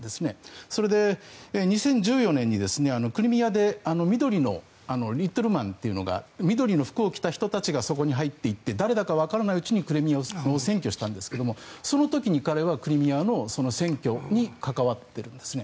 それで、２０１４年にクリミアで緑のリトルマンという緑の服を着た人たちがそこに入っていって誰かわからないうちにクリミアを占拠したんですがその時に彼はクリミアの占拠に関わっているんですね。